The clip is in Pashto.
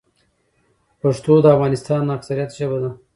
پښتو د افغانستان اکثريت ژبه ده.